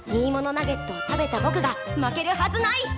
ナゲットを食べたぼくが負けるはずない！